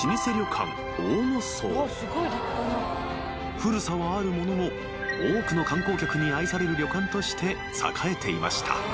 ［古さはあるものの多くの観光客に愛される旅館として栄えていました］